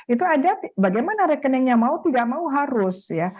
itu ada bagaimana rekeningnya mau tidak mau harus ya